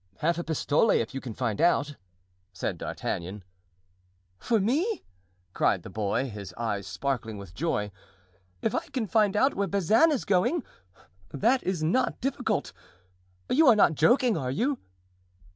"Half a pistole if you can find out," said D'Artagnan. "For me?" cried the boy, his eyes sparkling with joy, "if I can find out where Bazin is going? That is not difficult. You are not joking, are you?"